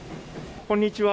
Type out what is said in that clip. こんにちは。